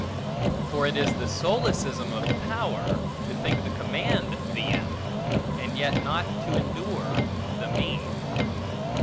For it is the solecism of power, to think to command the end, and yet not to endure the mean.